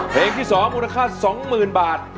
เพลงที่๒มูลค่า๒๐๐๐บาท